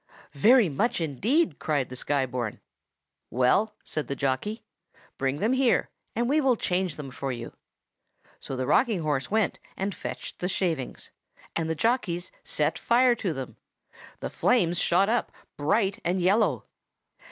"Very much indeed!" cried the Sky born. "Well," said the jockey, "bring them here, and we will change them for you." So the rocking horse went and fetched the shavings, and the jockeys set fire to them. The flames shot up, bright and yellow.